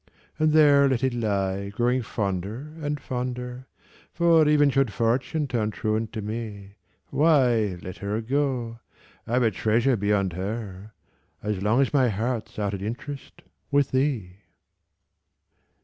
And there let it lie, growing fonder and, fonder For, even should Fortune turn truant to me, Why, let her go I've a treasure beyond her, As long as my heart's out at interest With thee!